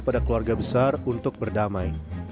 pada keluarga besar untuk berdamai